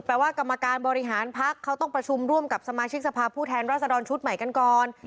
แปลว่ากรรมการบริหารพักเขาต้องประชุมร่วมกับสมาชิกสภาพผู้แทนรัศดรชุดใหม่กันก่อน